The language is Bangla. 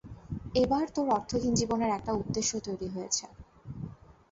এবার তোর অর্থহীন জীবনের একটা উদ্দেশ্য তৈরি হয়েছে।